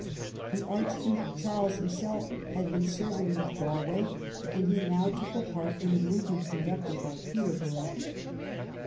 The Archduke Charles himself had been serving with Galway, and he now took a part in the movement conducted by Peterborough.